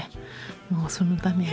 もうそのために。